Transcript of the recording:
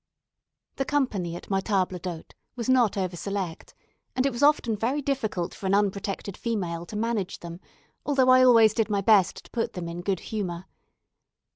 The company at my table d'hôte was not over select; and it was often very difficult for an unprotected female to manage them, although I always did my best to put them in good humour.